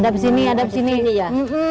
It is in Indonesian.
ada di sini ada di sini ya